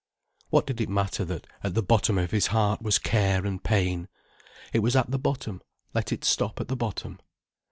What did it matter that, at the bottom of his heart, was care and pain? It was at the bottom, let it stop at the bottom.